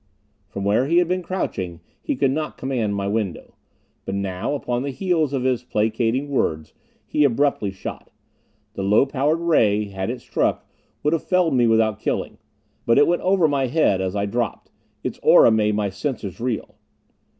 From where he had been crouching he could not command my window. But now, upon the heels of his placating words, he abruptly shot. The low powered ray, had it struck, would have felled me without killing. But it went over my head as I dropped. Its aura made my senses reel.